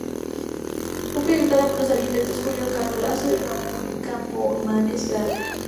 Fue proyectada por los arquitectos Julio Cano Lasso y Ramón Campomanes Grande.